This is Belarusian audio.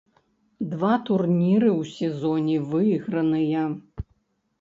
Два турніры ў сезоне выйграныя.